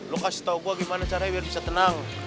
lo kasih tau gue gimana caranya biar bisa tenang